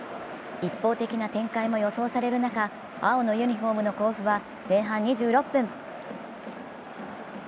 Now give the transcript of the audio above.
一方的な展開も予想される中青のユニフォームの甲府は前半２６分。